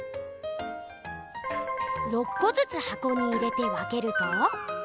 ６こずつはこに入れて分けると。